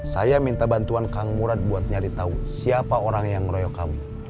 saya minta bantuan kang murad buat nyari tahu siapa orang yang ngeroyok kamu